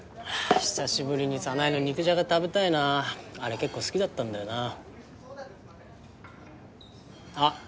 久しぶりに早苗の肉じゃが食べたいなあれ結構好きだったんだよなあっ